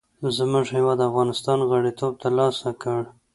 زموږ هېواد افغانستان غړیتوب تر لاسه کړ.